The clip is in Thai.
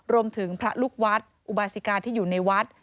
พระลูกวัดอุบาสิกาที่อยู่ในวัด